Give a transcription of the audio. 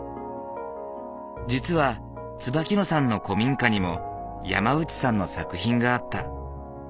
実は椿野さんの古民家にも山内さんの作品があった。